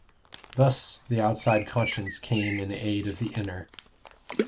Thus the outside conscience came in aid of the inner.